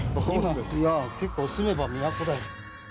いやぁ、結構、住めば都だよ。